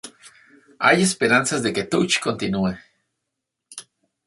Hay esperanzas de que "Touch" continúe".